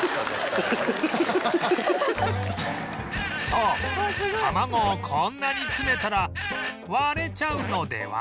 そう卵をこんなに詰めたら割れちゃうのでは？